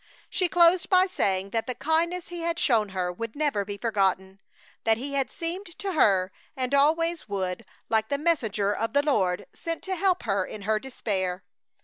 She closed by saying that the kindness he had shown her would never be forgotten; that he had seemed to her, and always would, like the messenger of the Lord sent to help her in her despair.